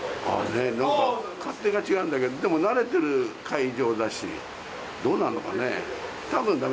なんか、勝手が違うんだけど、でも、慣れてる会場だし、どうなのかねぇ。